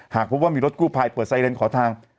หากพบว่ามีรถกู้ภัยเปิดไซเรนขอทาง